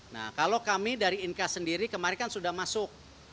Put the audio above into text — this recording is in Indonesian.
nah kalau kami dari inka sendiri kemarin kan sudah masuk